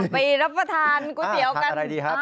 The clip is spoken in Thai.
ไปรับประทานก๋วยเตี๋ยวกัน